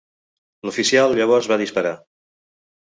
L'oficial, llavors, va disparar.